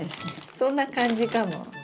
そんな感じかも。